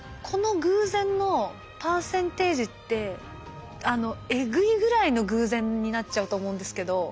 この偶然のパーセンテージってえぐいぐらいの偶然になっちゃうと思うんですけど。